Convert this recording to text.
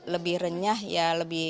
lebih renyah ya